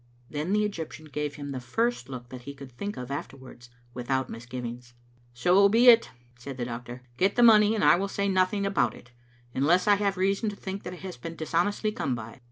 Then the Egyptian gave him the first look that he could think of afterwards without misgivings. " So be it," said the doctor. " Get the money, and I will say nothing about it, unless I have reason to think that it has been dishonestly come by.